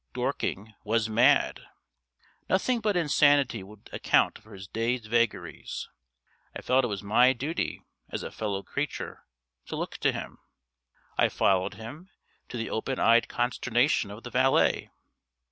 Dorking was mad! Nothing but insanity would account for his day's vagaries. I felt it was my duty, as a fellow creature, to look to him. I followed him, to the open eyed consternation of the valet.